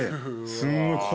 すんごい。